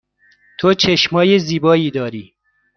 تو چشم های زیبایی داری.